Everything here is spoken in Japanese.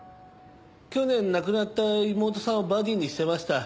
去年亡くなった妹さんをバディにしてました。